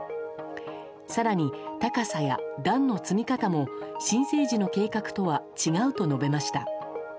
更に、高さや段の積み方も申請時の計画とは違うと述べました。